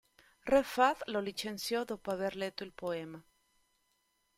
Re Fahd lo licenziò dopo aver letto il poema.